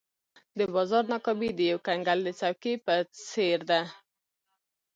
د بازار ناکامي د یو کنګل د څوکې په څېر ده.